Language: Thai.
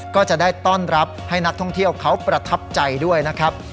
ก็จะได้ต้อนรับให้นักท่องเที่ยวเขาประทับใจด้วยนะครับ